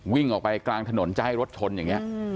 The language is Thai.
วิ่งออกไปกลางถนนจะให้รถชนอย่างนี้